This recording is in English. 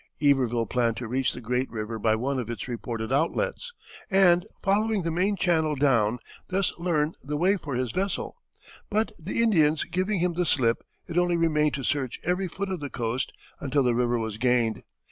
Iberville planned to reach the great river by one of its reported outlets, and, following the main channel down, thus learn the way for his vessel; but, the Indians giving him the slip, it only remained to search every foot of the coast until the river was gained.